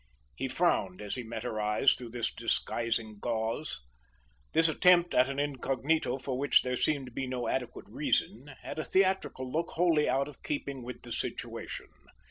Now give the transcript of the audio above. He frowned as he met her eyes through this disguising gauze. This attempt at an incognito for which there seemed to be no adequate reason, had a theatrical look wholly out of keeping with the situation.